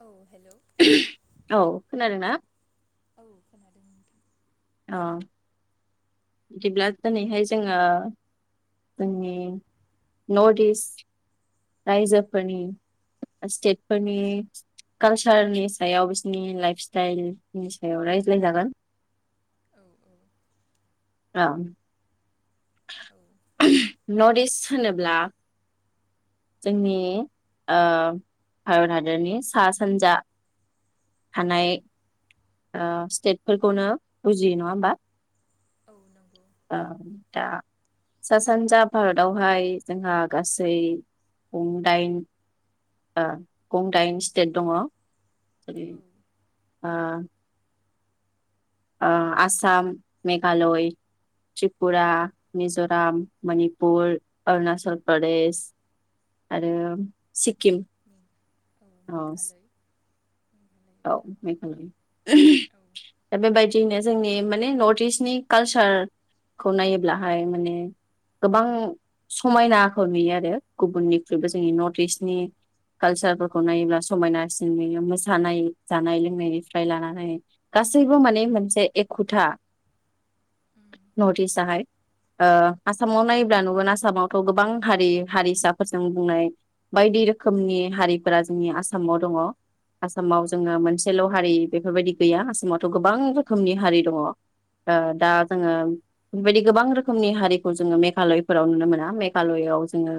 औ हे औ खोनादों ना? औ खोनादों नोंथां। औ। बिदिब्ला दिनैहाय जोङो जोंनि औ नर्थ इ रायजोफोरनि स्टेट फोरनि कालचारनि सायाव बिसोरनि लाइफ स्टाइलनि सायाव रायज्लायजागोन औ औ आम औ न डिस होनोब्ला जोंनि ओ भारत हादरनि सा सानजा औ थानाय ओ स्टेट फोरफोरखौनो बुजियो नङा होमबा? औ नंगौ ओं दा सा सानजा भारतआवहाय जोंहा गासै गंदाइन ओ गंदाइन स्टेट दङ जेरै औ आ ओ आसाम मेघालय औ त्रिपुरा मिज राम मणपुर अरुणाचल प्रदेश आरो सिख खिम औ मेघालयआव औ थाङामोन नामा मेघालय औ दा बेबायदियैनो जोंनि माने नर्थ इस्टनि कालसारखौ नायोब्लाहाय माने गोबां समायनाखौ नुयो आरो औ गुबुननिख्रुइबो जोंनि नर्थ इस्टनि कालसारफोरखौ नायोब्ला समायनासिन नुयो मोसानाय जानाय लोंनायनिफ्राय लानानै गासैबो माने मोनसे एखुथा उम नर्थ इस्ट नंगौ आहाय ओ औ आसामाव नायोब्ला नुगोन आसामाव गोबां हारि हारिसाफोरजों बुंनाय बायदि रोखोमनि हारिफोरा जोंनि आसामाव दङ आसामाव औ जोङो नंगौ मोनसेल' हारि बेफोरबायदि गैया आसामावथ' गोबां रोखोमनि हारि दङ ओ दा औ जोङो औ बेबायदि गोबां रो खोमनि हारिखौ जोङो मेघालयफोराव नुनो मोना मेघालयआव जोङो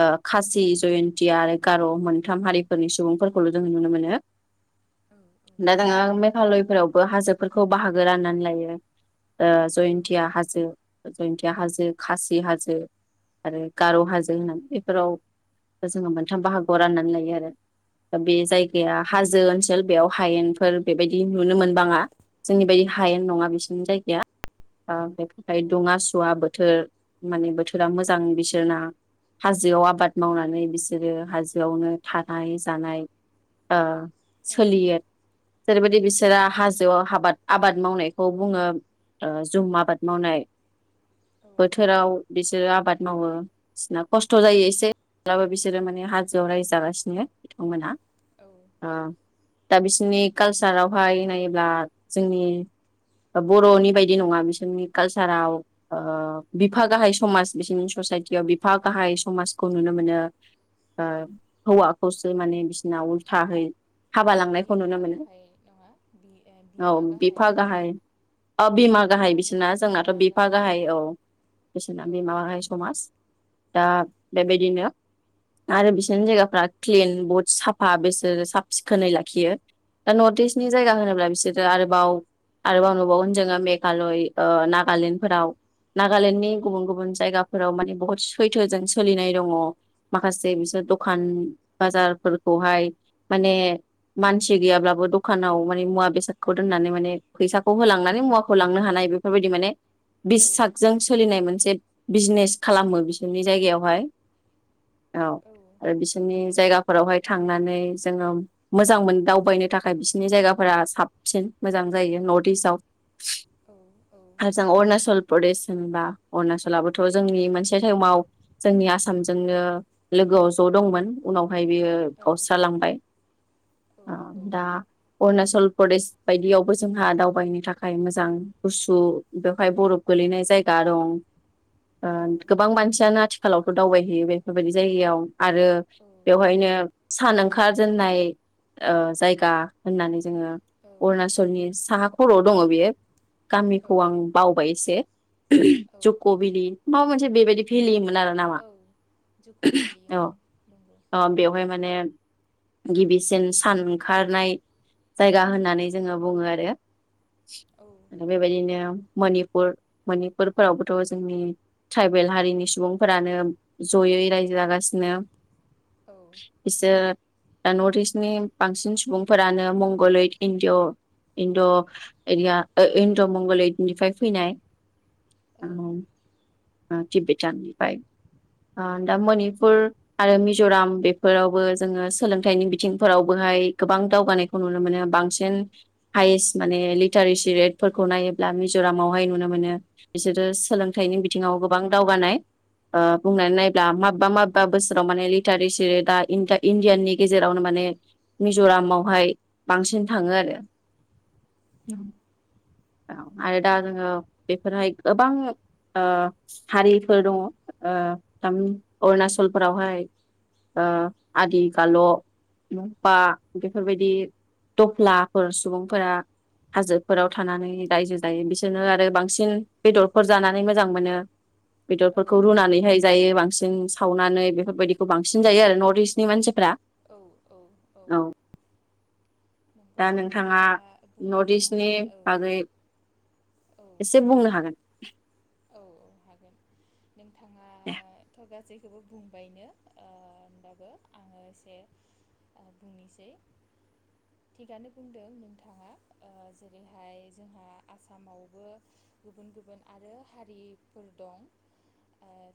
ओ खासि, जयन्तिया आरो गार' मोनथाम हारिफोरनि सुबुंफोरखौल' जोङो नुनो मोनो। औ दा जोङो मेघालय फोरावबो हाजोफोरखौ बाहागो राननानै लायो ओ जयन्तिया हाजो जयन्तिया हाजो खासि हाजो आरो गार हाजो होननानै बेफोराव जोङो मोनथाम बाहागोआव राननानै लायो आरो दा बे जायगाया ओनसोल बेयाव हायेनफोर बेबायदि नुनो मोनबाङा जोंनि बायदि हायेन नङा बिसिनि जायगाया दुङा सुवा बोथोर माने बोथोरा मोजां बिसोरना हाजोआव आबाद मावनानै बिसोरो हाजोआवनो थानाय जानाय ओ सोलिययो जेरैबायदि बिसोरा हाजोआव हाबाद आबाद मावनायखौ बुंङो जुम आबाद मावनाय औ बोथोराव बेसे बिसोरो आबाद मावो बिसना खस्थ जायो एसे माबब्लाबो बिसोरो माने हाजोआव रायजागासिनो बिथांमोनहा औ ओ दा बिसोरनि कालसारावहाय नायोब्ला जोंनि बरनि बायदि नंङा बिसोरनि कालसाराव ओ बिफा गाहाइ समाज बिसोरनि ससायटियाव बिफा गाहाइ समाजखौ नुनो मोनो ओ हौवाखौसो माने बिसोरना थाहै हाबा लांनायखौ नुनो बिफा मोनो गाहाय नङा बि [unintelligible] औ बिमा गाहाय बिफा गाहाइ औ बिमा गाहाय बिसोरना जोंनाथ बिफा गाहाइ औ बिसोरना औ बिमा गाहाइ समाज ओ बेबायदिनो आरो बिसोरनि जायगाफ्रा क्लिन बहुद साफा बेसे ओ साब सिखोनै लाखियो दा नर्थ इस्टनि जायगा औ होनोब्ला बिसोरो आरोबाव आरोबाव नुबावगोन जोंङो मेघालय ओ नागालेण्डफोराव नागालेण्डनि गुबुन गुबुन जायगाफोराव माने बुहुत सैथोजों सोलिनाय दंङ माखासे दखान औ बाजारफोरखौहाय माने मानसि गैयाब्लाबो दखानाव माने मुवा बेसादखौ दोननानै माने फैसाखौ होलांनानै मुवाखौ लांनो हानाय बेफोरबायदि माने बिससाकजों सोलिनाय मोनसे बिजनेस खालामो बिसोरनि जायगायावहाय औ आरो बिसोरनि जायगाखौ फोरावहाय थांनानै मोजां मोन दावबायनो थाखाय बिसिनि जायगाफोरा साबसिन मोजां जायो नर्थ इस्टआव औ औ आरो जों अरुणाचल प्रदेश होनबा अरुणाचलआबोथ जोंनि मोनसे समाव जोंनि आसामजोंनो लोगोआव ज दंमोन उनाव ओमफ्राय बियो गावस्रालांबाय ओ दा अरुणाचल प्रदेश बायदियावबो जोंहा दावबायनो थाखाय मोजां गुसु बेवहाय बरफ गोलैनाय जायगा दं ओ गोबां मानसियानो आ आखालावथ दावबायहैयो बेफोरबायदि जायगायाव आरो बेवहायनो सानांग खार दोननाय ओ जायगा होननानै जोंङो अरुणचलनि साहा खर' दंङ बियो गामिखौ आं बावबाय एसे जक भेलि माबा मोनसे बेबायदि भेलिमोन आरो नामा जो को भी ली औ हूँ लूँगा अ बेवहाय माने गिबिसिन जो को भी सानखारनाय जायगा ओ होननानै जोंङो बुंङो आरो ओ बे बायदिनो। मनिपुर मनिपुरफोरावबोथ' जोंनि ट्राइबेल हारिनि सुबुंफोरानो जयै रायजो जागासिनो। ओ फिस दा नर्थ इस्टनि बांसिन सुबुंफोरानो मंगलैद इणड इणड' एरिया इणड' मंगलैदनिफ्राय फैनाय ओ औ तिबेटाननिफ्राय दा मनिपुर आरो मिज'राम बेफोरावबो जोङो सोलोंथाइनि बिथिंफोरावबोहाय गोबां दावगानायखौ नुनो मोनो बांसिन हायेस्ट माने लिटारेसि रेटफोरखौ नायोब्ला मिज'रामावहाय नुनो मोनो बिसोरो ओ सोलोंथाइनि बिथिङाव गोबां दावगानाय। अ बुंनानैनायब्ला ओ मबा मबेबा बोसोर माने लिटारेसि दा इणडियाननि गेजेरावनो माने मिज'रामावहाय बांसिन थाङो आरो औ आरो दा जोङो बेफोरहाय गोबां हारिफोर दङ अरुणाचलफोरावहाय आदि गाल' मफा बेफोरबायदि दफ्लाफोर सुबुंफोरा हाजोफोराव थानानै रायजो जायो बिसोरनो आरो बांसिन बेदरफोर जानानै मोजां मोनो ओ बेदरफोरखौ रुनानैहाय जायो बांसिन सिं सावनानै बेफोरबायदिखौ बांसिन जायो आरो नर्थ इस्ट मानसि औ औ औ नंगौ नोंथाङा नर्थ इस्टनि बुंनाया औ बागै औ एसे बुंनो हागोन औ औ हागोन नोंथां। दे गासैखौबो बुंबायनो होनबाबो आङो एसे बुंनोसै थिगानो बुंदों नोंथाङा जेरैहाय जोंहा आसामावबो गुबुन गुबुन आरो हारिफोर दं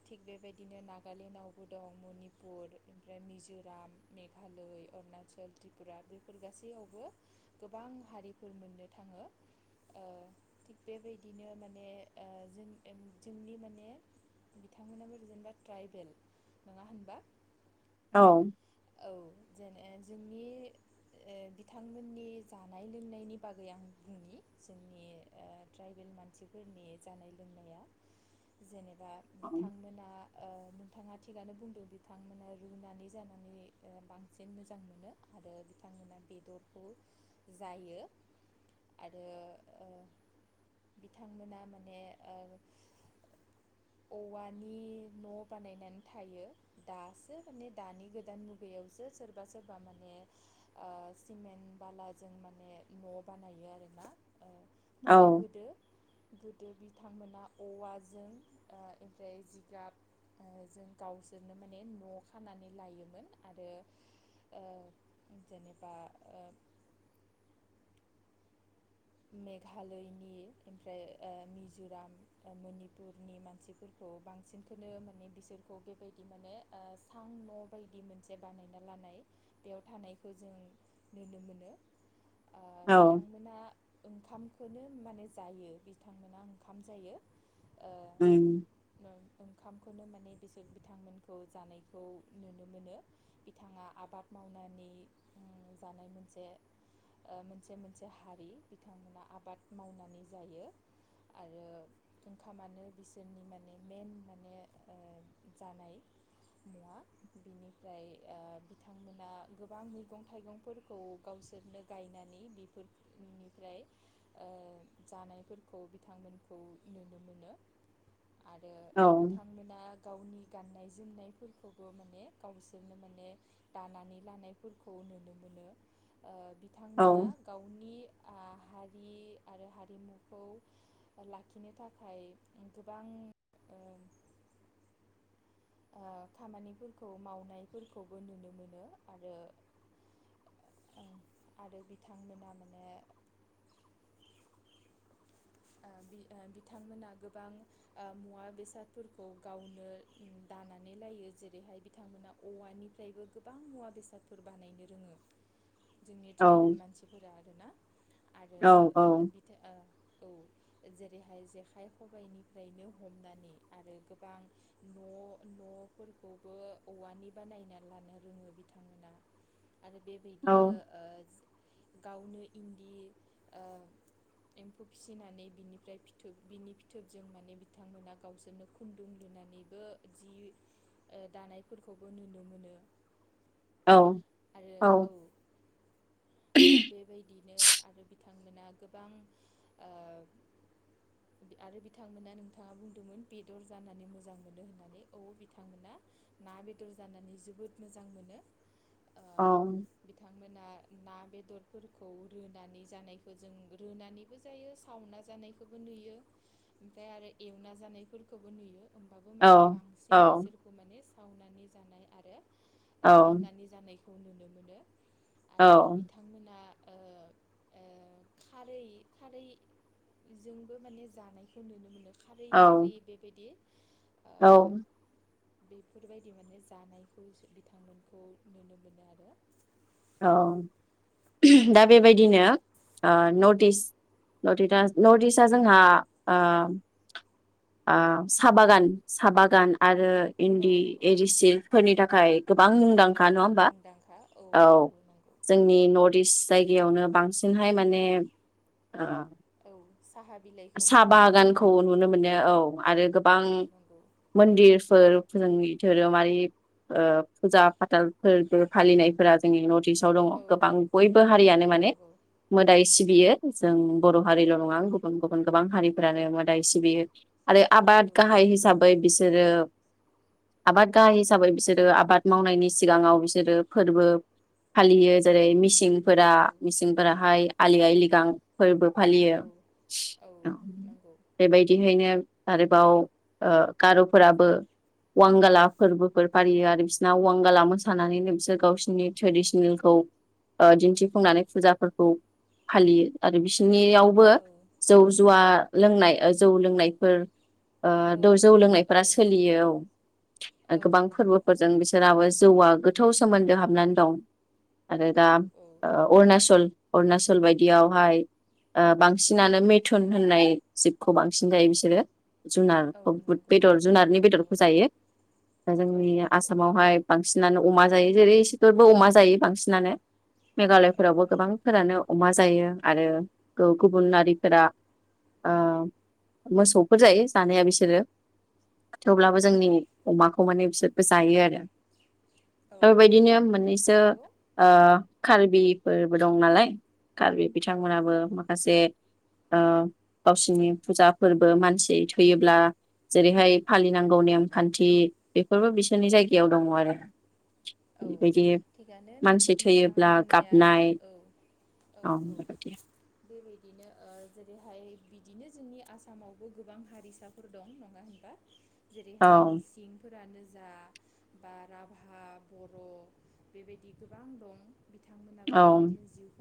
थिग बेबायदिनो नागालेण्डआवबो दं मनिपुर ओमफ्राय मिज'राम मेघालय अरुणाचल त्रिपुरा बेफोर गासैयावबो गोबां हारिफोर मोननो थाङो थिग बेबायदिनो माने जों जोंनि माने बिथांमोनाबो जेनेबा ट्राइबेल नङा होनबा औ। औ जेने जोंनि बिथांमोननि जानाय लोंनायनि बागै आं बुंनि जोंनि ट्राइबेल मानसिफोरनि जानाय लोंनाया जेनेबा दा बिथांमोना नोंथाङा थिगानो बुंदों बिथांमोना रुनानै जानानै बांसिन मोजां मोनो आरो बिथांमोना बेदरखौ जायो आरो बिथांमोना माने औवानि न' बानायनानै थायो दासो माने दानि गोदान मुग बेयावसो सोरबा सोरबा माने सिमेन्ट बालाजों माने न' बानायो आरोना ओ खिन्थु औ गोदो गोदो बिथांमोना औवाजों ओ ओमफ्राय जिगाब ओ जों गावसोरनो माने न'आव खानानै लायोमोन आरो ओ जेनेबा ओ मेघालयनि ओमफ्राय ओ मिज'राम मनिपुरनि मानसिफोरखौ बांसिनखोनो माने बिसोरखौ बेबायदि माने ओ सां न' बायदि मोनसे बानायना लानाय बेयाव थानायखौ जों नुनो मोनो ओ औ बिथांमोना ओंखामखौनो माने जायो बिथांमोना ओंखाम जायो ओ उम ओंखामखौनो माने बिसोर बिथांमोनखौ जानायखौ नुनो मोनो बिथाङा आबाद मावनानै ओ जानाय मोनसे ओ मोनसे मोनसे हारि बिथांमोना आबाद मावनानै जायो आरो ओंखामानो बिसोरनि माने मेइन माने ओ जानाय मुवा बिनिफ्राय ओ बिथांमोना गोबां मैगं-थाइगंफोरखौ गावसोरनो गायनानै बेफोरनि ओमफ्राय ओ जानायफोरखौ बिथांमोनखौ नुनो मोनो आरो औ बिथांमोना गावनि गाननाय-जोमनायफोरखौबो माने गावसोरनो माने दानानै लानायफोरखौ नुनो मोनो थांमोना औ गावनि माहारि आरो हारिमुखौ लाखिनो थाखाय गोबां ओ ओ खामानिफोरखौ मावनायफोरखौबो नुनो मोनो आरो आरो बिथांमोना माने ओ ओ बिथांमोना गोबां आ मुवा बेसादफोरखौ गावनो दानानै लायो जेरैहाय बिथांमोना औवानिफ्रायबो गोबां मुवा बेसादफोर बानायनो रोङो। जोंनि औ ट्राइबेल मानसिफोरा ना आरो औ बिथो ओ औ जेरैहाय जेखाइ खबायनिफ्रायनो हमनानै आरो गोबां न' न'फोरखौबो औवानि बानायना लानो रोङो बिथांमोना। आरो औ बेबायदिनो ओ गावनो इन्दि ओ एम फौ फिसिनानै बिनिफ्राय फिथोब बिनि फिथोबजों माने बिथांमोना गावसोरनो खुन्दुं लुनानैबो जि ओ दानायफोरखौबो नुनो मोनो। औ आरो औ आरो बेबायदिनो आरो बिथांमोना गोबां ओ आरो बिथांमोना नोंथाङा बुंदोंमोन बेदर जानानै मोजां मोनो होननानै औ बिथांमोना ना बेदर जानानै जोबोद मोजां मोनो। औ मोना ना बेदरफोरखौ रुनानै जानायखो जों रुनानैबो जायो सावना जानायखौबो नुयो ओमफ्राय आरो एवना जानायफोरखौबो नुयो। होमबाबो माने औ बांसिन बिसोरखौ माने सावनानै जानाय आरो ओ रुनानै जानाय खौ नुनो मोनो। औ आरो बिथांमोना ओ ओ खारै खारै जोंबो माने जानायखौ नुनो मोनो। खारै ओंख्रि बेबायदि ओ औ बेफोरबायदि माने जानायखौ बिथांमोनखौ नुनो मोनो आरो औ औ दा बेबायदिनो ओ औ नटिस नटिटा नर्थ इस्टआ जोंहा ओम ओ साहा बागान साहा बागान आरो औ इन्दि औ एदिसिल फोरनि थाखाय गोबां मुंदांखा औ नङा होमबा मुंदांखा औ नंगौ नंगौ जोंनि नर्थ इस्ट जायगायावनो बांसिनहाय माने ओ औ साहा बिलाइखौ साहा मोननो हायो बागानखौ औ नुनो मोनो औ आरो औ गोबां नंगौ मन्दिरफोर जोंनि धोरोमारि ओ फुजा फाथालफोरबो फालिनायफोरा जोंनि नर्थ इस्ट। आव दङ औ गोबां बयबो औ हारियानो माने नंगौ मोदाय सिबियो। जों। बर' हारि औ ल' नङा गुबु गुबुन गुबुन गोबां औ हारिफोरानो मोदाय सिबियो आरो आबाद गाहाय हिसाबै बिस बिसोरो आबाद गाहाय हिसाबै बिसोरो आबाद मावनायनि सिगाङाव बिसोरो फोरबो। फालियो जेरै औ मिसिंफोरा मिसिंफोराहाय आलि आय लिगां। फोरबो फालियो। औ नंगौ बेबायदिहैनो। आरोबाव ओ गार'फोराबो वांगाला फोरबोफोर फालियो आरो बिस़रना वांगाला मोसानानैनो बिसोर गावसिनि ओ ट्रेडिसनेलखौ दिन्थिफुंनानै फुजाफोरखौ फालियो आरो बिसनियावबो। औ जौ जुवा लोंनाय जौ लोंनायफोर ओ औ द जौ ज' औ लोंनायफोरा सोलियो औ औ गोबां नंगौ ओम फोरबोफोरजों बिसोराबो जौवा गोथौ सोमोन्दो हाबनानै दं। आरो औ दा औ ओ अरुणाचल अरुणाचल बायदियावहाय ओ बां सिनानो मेथुन होननाय जिबखौ बांसिन जायो बिसोरो। जुनार औ नंगौ बेदर औ जुनारनि औ बेदरखौ जायो दा औ जोंनि नंगौ आसामावहाय बांसिनानो अमा। दायो जेरै इसेफोरबो अमा जायो बांसिनानो। औ मेघालयफोरावबो नंगौ गोबांफोरानो अमा जायो। आरो गौ गुबुन हारिफोरा ओ मोसौफोर जायो जानाया बिसोरो। औ थेवब्लाबो जोंनि अमाखौ माने बिसोर जायो आरो। औ औ बेबायदिनो मोननैसो नंगौ ओ दा कार्बिफोर दं नालाय कार्बि औ बिथांमोनहाबो मा ओ गावसिनि फुजा फोरबो मानसि थैयोब्ला जेरैहाय फालिनांगौ नेमखान्थि बेफोरबो बिसोरनि औ जायगायाव दङ आरो औ बेबायदि थिगानो नों मानसि नोंथाङा थैयोब्ला बुंनाया गाबनाय औ औ बेबायदि बेबायदिनो जेरैहाय बिदिनो जोंनि आसामावबो गोबां हारिसाफोर दं नङा होनबा औ जेरैहाय मिसिंफोरानो जा बा राभा बर' बेबायदि गोबां दं बिथांमोनाबो औ बेबायदिनो जिउ